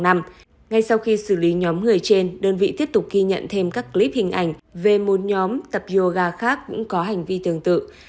ngay sau khi xử lý nhóm người trên đơn vị tiếp tục ghi nhận thêm các clip hình ảnh về một nhóm tập yoga khác cũng có hành vi tương tự